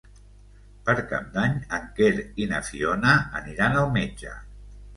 Per Cap d'Any en Quer i na Fiona aniran al metge.